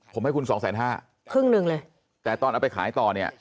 ผมให้คุณสองแสนห้าครึ่งหนึ่งเลยแต่ตอนเอาไปขายต่อเนี่ย